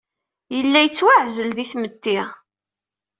Yella yettwaɛzel di tmetti.